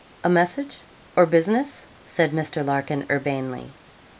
a message, or business?' said Mr. Larkin, urbanely.